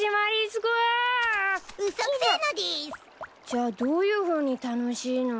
じゃあどういうふうに楽しいの？